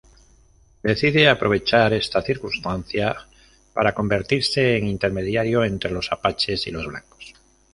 Decide aprovechar esta circunstancia para convertirse en intermediario entre los apaches y los blancos.